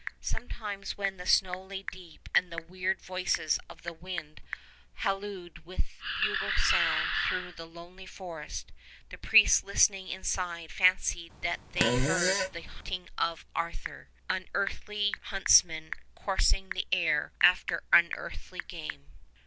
Sometimes when the snow lay deep and the weird voices of the wind hallooed with bugle sound through the lonely forest, the priests listening inside fancied that they heard "the hunting of Arthur," unearthly huntsmen coursing the air after unearthly game.